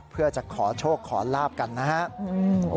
เพื่อจะขอโชคขอลาบกันนะครับ